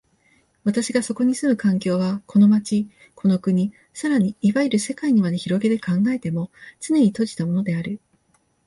私がそこに住む環境は、この町、この国、更にいわゆる世界にまで拡げて考えても、つねに閉じたものである。